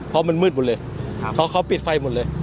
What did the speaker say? เพราะมันมืดหมดเลยเพราะเขาปิดไฟหมดเลย